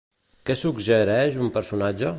Què suggereix un personatge?